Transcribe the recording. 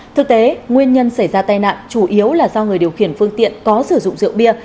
thực tế nguyên nhân xảy ra tai nạn chủ yếu là do người điều khiển phương tiện có sử dụng rượu bia